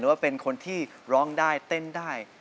ว่าเป็นคนที่ร้องได้เต้นได้